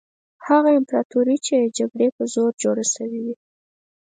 هغه امپراطوري چې د جګړې په زور جوړه شوې وي.